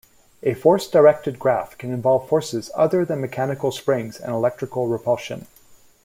A force-directed graph can involve forces other than mechanical springs and electrical repulsion.